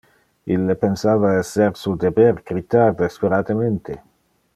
Ille pensava esser su deber critar desperatemente.